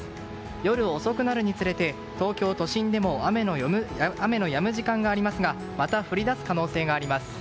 夜遅くになるにつれて東京都心でも雨のやむ時間がありますがまた降り出す可能性があります。